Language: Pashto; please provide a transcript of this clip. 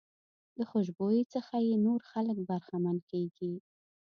د خوشبويۍ څخه یې نور خلک برخمن کېږي.